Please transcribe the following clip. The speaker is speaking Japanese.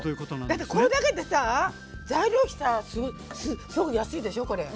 だってこれだけでさあ材料費さすごく安いでしょこれ。